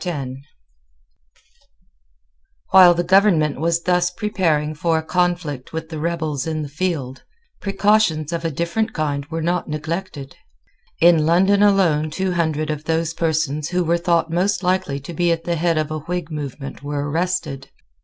While the government was thus preparing for a conflict with the rebels in the field, precautions of a different kind were not neglected. In London alone two hundred of those persons who were thought most likely to be at the head of a Whig movement were arrested.